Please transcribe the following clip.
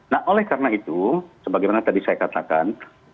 nah oleh karena itu sebagaimana tadi saya katakan